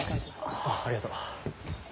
ああありがとう。